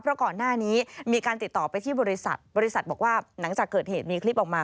เพราะก่อนหน้านี้มีการติดต่อไปที่บริษัทบริษัทบอกว่าหลังจากเกิดเหตุมีคลิปออกมา